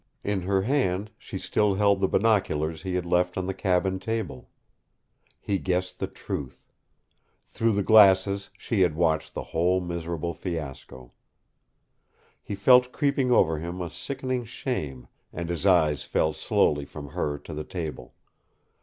In her hand she still held the binoculars he had left on the cabin table. He guessed the truth. Through the glasses she had watched the whole miserable fiasco. He felt creeping over him a sickening shame, and his eyes fell slowly from her to the table.